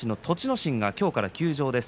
心が今日から休場です。